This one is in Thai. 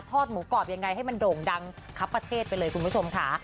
หมูกรอบยังไงให้มันโด่งดังครับประเทศไปเลยคุณผู้ชมค่ะ